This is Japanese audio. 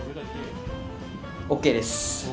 ＯＫです。